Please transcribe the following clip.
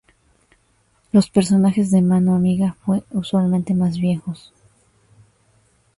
Los personajes de "mano amiga" fue usualmente más viejos.